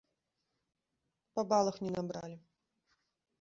Па балах не набралі.